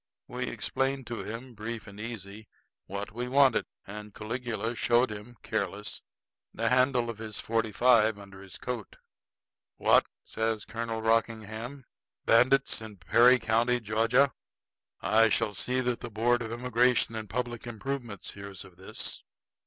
We explained to him, brief and easy, what we wanted; and Caligula showed him, careless, the handle of his forty five under his coat. "What?" says Colonel Rockingham. "Bandits in Perry County, Georgia! I shall see that the board of immigration and public improvements hears of this!"